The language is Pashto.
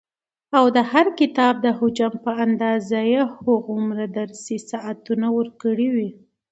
او د هر کتاب د حجم په اندازه يي هغومره درسي ساعتونه ورکړي وي،